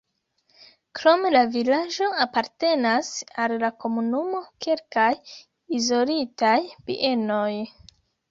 Krom la vilaĝo apartenas al la komunumo kelkaj izolitaj bienoj.